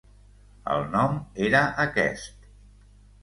El nom era aquest.